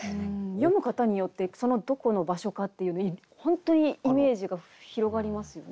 詠む方によってどこの場所かっていう本当にイメージが広がりますよね。